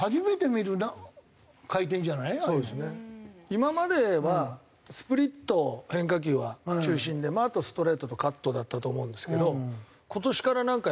今まではスプリット変化球は中心でまああとストレートとカットだったと思うんですけど今年からなんか